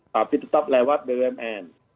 tapi tetap lewat bumn